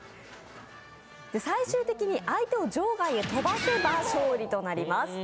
最終的に相手を場外へ飛ばせば勝利となります。